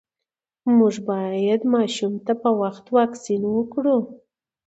مور باید ماشوم ته په وخت واکسین وکړي۔